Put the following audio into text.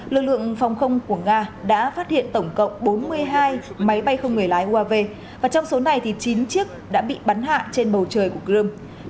lực lượng phòng không của nga đã phát hiện tổng cộng bốn mươi hai máy bay không người lái uav và trong số này chín chiếc đã bị bắn hạ trên bầu trời của crimea